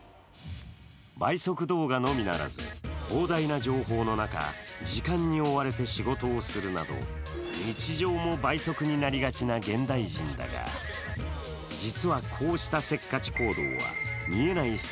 倍速動画のみならず、膨大な情報の中、時間に追われて仕事をするなど日常も倍速になりがちな現代人だが実はこうしたせっかち行動は見えない